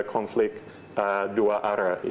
konflik dua arah